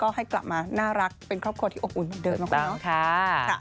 ก็ให้กลับมาน่ารักเป็นครอบครัวที่อบอุ่นเหมือนเดิมมาก